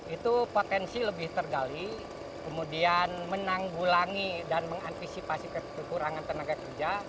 itu potensi lebih tergali kemudian menanggulangi dan mengantisipasi kekurangan tenaga kerja